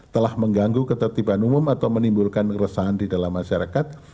telah mengganggu ketertiban umum atau menimbulkan keresahan di dalam masyarakat